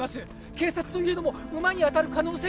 警察といえども馬に当たる可能性があるなら